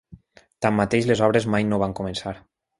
Tanmateix, les obres mai no van començar.